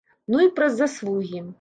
Ну і пра заслугі.